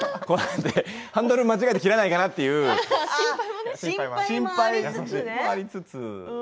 ハンドル間違えて切らないかなっていう心配もありつつ。